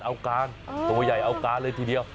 เอาการตัวใหญ่เอาการเลยทีเดียว